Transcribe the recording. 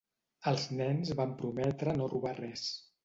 Els nens van prometre no robar res.